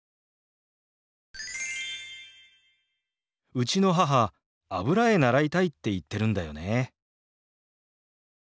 うちの母油絵習いたいって言ってるんだよね。